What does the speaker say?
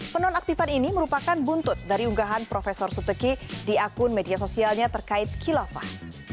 penonaktifan ini merupakan buntut dari unggahan profesor suteki di akun media sosialnya terkait kilafah